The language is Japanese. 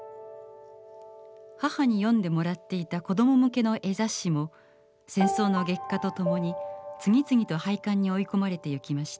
母に読んでもらっていた子ども向けの絵雑誌も戦争の激化と共に次々と廃刊に追い込まれてゆきました。